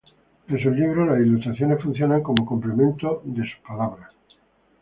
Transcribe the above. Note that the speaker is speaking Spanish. En sus libros, las ilustraciones funcionan como complemento de sus palabras.